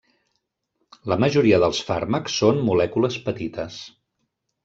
La majoria dels fàrmacs són molècules petites.